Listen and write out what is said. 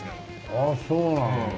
ああそうなんだ。